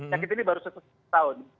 sakit ini baru setahun